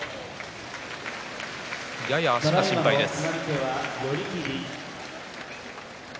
やや足が心配です。